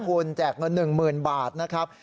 คุณแจกเงินหนึ่งหมื่นบาทนะครับ